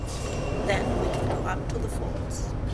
Then we can go up to the falls.